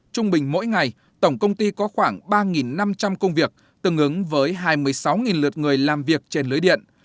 trung bình mỗi ngày tổng công ty có khoảng ba năm trăm linh công việc tương ứng với hai mươi sáu lượt người làm việc trên lưới điện